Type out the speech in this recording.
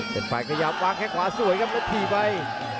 เห็นมะขยับวางแท่งขวาสวยครับและตีไป